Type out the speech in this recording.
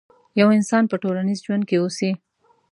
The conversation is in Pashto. يو انسان په ټولنيز ژوند کې اوسي.